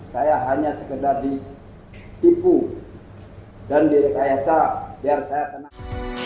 saya hanya sekedar ditipu dan direkayasa biar saya tenang